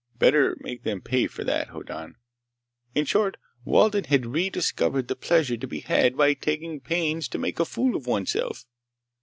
Better make them pay for that, Hoddan! In short, Walden had rediscovered the pleasure to be had by taking pains to make a fool of one's self.